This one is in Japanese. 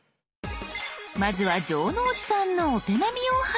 まずは城之内さんのお手並みを拝見。